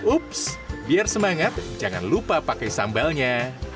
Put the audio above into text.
ups biar semangat jangan lupa pakai sambalnya